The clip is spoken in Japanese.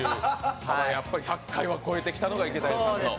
やっぱり１００回を超えてきたのが池谷さんの。